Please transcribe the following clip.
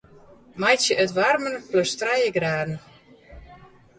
Meitsje it waarmer plus trije graden.